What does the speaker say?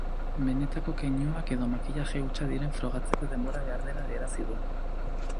Benetako keinuak edo makillaje hutsa diren frogatzeko denbora behar dela adierazi du.